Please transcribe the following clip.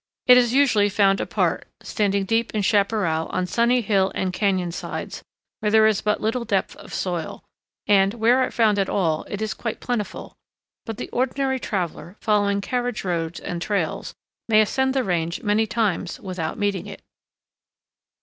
It is usually found apart, standing deep in chaparral on sunny hill and cañon sides where there is but little depth of soil, and, where found at all, it is quite plentiful; but the ordinary traveler, following carriage roads and trails, may ascend the range many times without meeting it.